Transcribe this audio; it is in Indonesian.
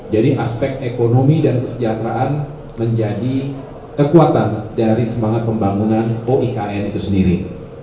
jadi aspek ekonomi dan kesejahteraan menjadi kekuatan dari semangat pembangunan oikn itu sendiri